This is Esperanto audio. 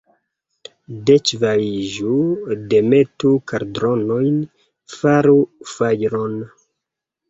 Deĉevaliĝu, demetu kaldronojn, faru fajron!